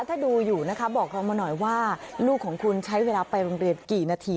ถ้าดูอยู่นะคะบอกเรามาหน่อยว่าลูกของคุณใช้เวลาไปโรงเรียนกี่นาที